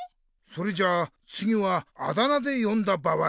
それじゃあつぎはあだ名でよんだ場合。